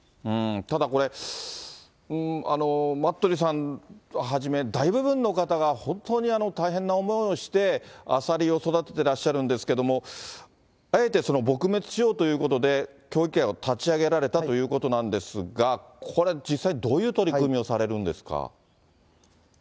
ただこれ、待鳥さんはじめ、大部分の方が本当に大変な思いをして、アサリを育ててらっしゃるんですけども、あえて撲滅しようということで、協議会を立ち上げられたということなんですが、これ、実際どういう取り組みをされるんですか。